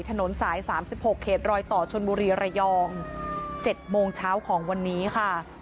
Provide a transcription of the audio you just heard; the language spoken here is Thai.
ถนนสาย๓๖เขตรอยต่อชนบุรีระยอง๗โมงเช้าของวันนี้ค่ะ